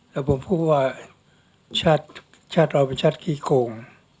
แล้วผมพูดว่าชาติเราเป็นชาติขี้โคง